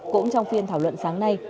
cũng trong phiên thảo luận sáng nay